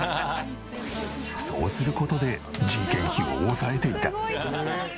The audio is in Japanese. そうする事で人件費を抑えていた。